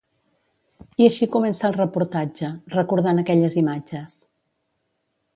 I així comença el reportatge, recordant aquelles imatges.